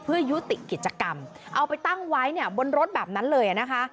เพื่อยุติกิจกรรมเอาไปตั้งไว้เนี่ยบนรถแบบนั้นเลยนะคะ